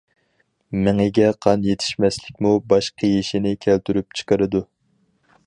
مېڭىگە قان يېتىشمەسلىكمۇ باش قېيىشنى كەلتۈرۈپ چىقىرىدۇ.